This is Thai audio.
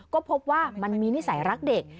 ก็พบว่ามันมีนิสัยรักเด็ก